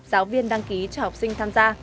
giáo viên đăng ký cho học sinh tham gia